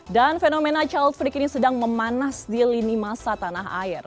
dan fenomena childfree ini sedang memanas di lini masa tanah air